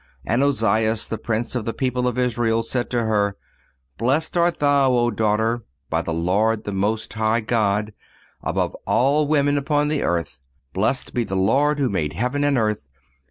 And Ozias, the prince of the people of Israel, said to her: Blessed art thou, O daughter, by the Lord the Most High God, above all women upon the earth, Blessed be the Lord who made heaven and earth